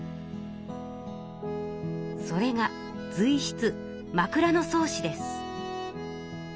それがずい筆「枕草子」です。